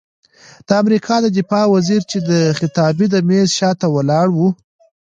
د امریکا د دفاع وزیر چې د خطابې د میز شاته ولاړ و،